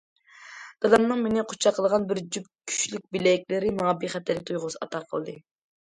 دادامنىڭ مېنى قۇچاقلىغان بىر جۈپ كۈچلۈك بىلەكلىرى ماڭا بىخەتەرلىك تۇيغۇسى ئاتا قىلدى.